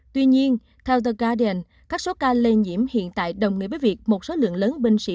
tuy nhiên theo the garden các số ca lây nhiễm hiện tại đồng nghĩa với việc một số lượng lớn binh sĩ